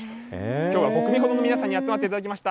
きょうは５組ほどの皆さんに集まっていただきました。